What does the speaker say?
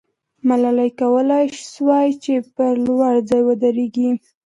ملالۍ کولای سوای چې پر لوړ ځای ودریږي.